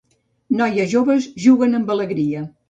Noies joves juguen amb alegria.